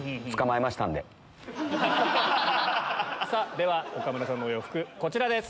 では岡村さんのお洋服こちらです！